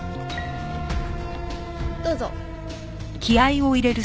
どうぞ。